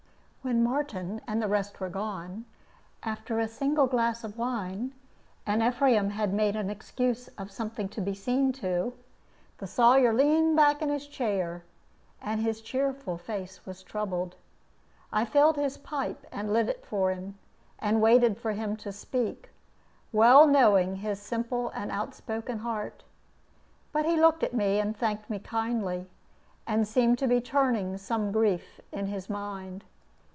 When Martin and the rest were gone, after a single glass of wine, and Ephraim had made excuse of something to be seen to, the Sawyer leaned back in his chair, and his cheerful face was troubled. I filled his pipe and lit it for him, and waited for him to speak, well knowing his simple and outspoken heart. But he looked at me and thanked me kindly, and seemed to be turning some grief in his mind.